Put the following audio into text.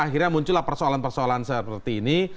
akhirnya muncullah persoalan persoalan seperti ini